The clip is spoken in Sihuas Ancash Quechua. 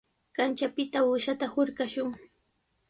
Kanchapita uushata hurqashun.